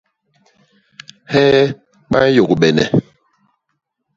Hee ba nyôgbene?